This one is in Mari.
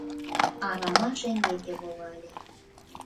Арама шеҥгеке волале.